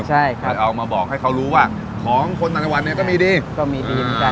ใช่ครับโดยเอามาบอกให้เขารู้ว่าของคนต่างจังหวัดเนี่ยก็มีดีก็มีดีเหมือนกัน